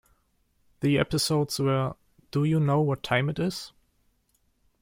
The episodes were Do You Know What Time It Is?